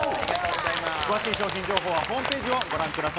詳しい商品情報はホームページをご覧ください。